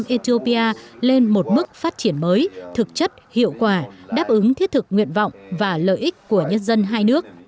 hiệp định miễn thị thực cho người mang hội chiếu ngoại giao việt nam và bộ ngoại giao ethiopia lên một mức phát triển mới thực chất hiệu quả đáp ứng thiết thực nguyện vọng và lợi ích của nhân dân hai nước